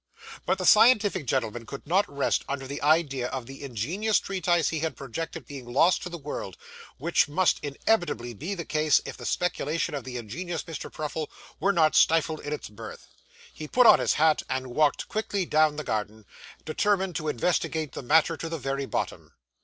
But the scientific gentleman could not rest under the idea of the ingenious treatise he had projected being lost to the world, which must inevitably be the case if the speculation of the ingenious Mr. Pruffle were not stifled in its birth. He put on his hat and walked quickly down the garden, determined to investigate the matter to the very bottom.